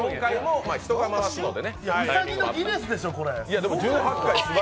うさぎのギネスでしょ、これ。